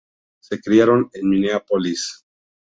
Se criaron en Mineápolis.